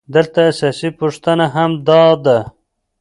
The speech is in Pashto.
دلته اساسي پوښتنه هم همدا ده